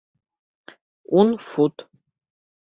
Ун фут.